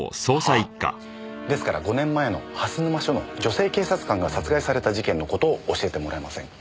ですから５年前の蓮沼署の女性警察官が殺害された事件の事を教えてもらえませんか？